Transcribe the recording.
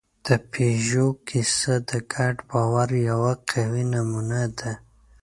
د پيژو کیسه د ګډ باور یوه قوي نمونه ده.